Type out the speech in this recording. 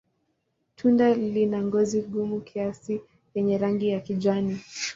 Tunda lina ngozi gumu kiasi yenye rangi ya kijani.